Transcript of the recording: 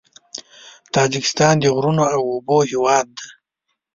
تاجکستان د غرونو او اوبو هېواد دی.